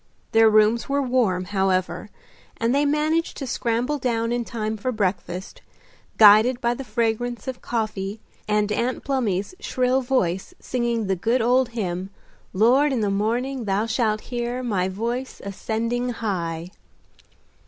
Their rooms were warm, however, and they managed to scramble down in time for breakfast, guided by the fragrance of coffee and Aunt Plumy's shrill voice singing the good old hymn "Lord, in the morning Thou shalt hear My voice ascending high."